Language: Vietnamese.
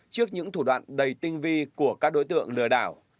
trước những thủ đoạn đầy tinh vi của các đối tượng lừa đảo